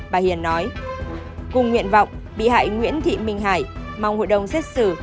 bà hiền nói cùng nguyện vọng bị hại nguyễn thị minh hải mong hội đồng xét xử